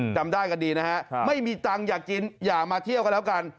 จำได้กันดีนะฮะไม่มีตังค์อยากกินอย่ามาเที่ยวกันแล้วกัน